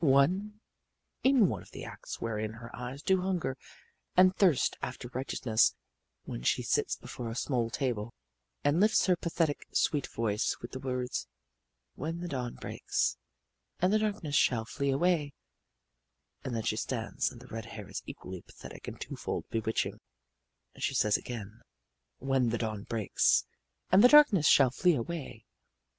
One in one of the acts wherein her eyes do hunger and thirst after righteousness when she sits before a small table and lifts her pathetic, sweet voice with the words, "When the dawn breaks, and the darkness shall flee away"; and then she stands and the red hair is equally pathetic and twofold bewitching, and she says again, "When the dawn breaks, and the darkness shall flee away."